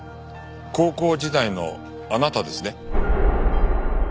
高校時代のあなたですね？